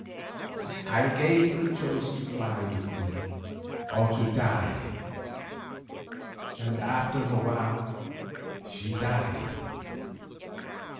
I gave her choice to fly with me or to die, and after a while she died.